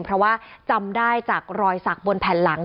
เพราะว่าจำได้จากรอยสักบนแผ่นหลัง